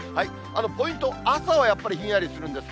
ポイント、朝はやっぱりひんやりするんです。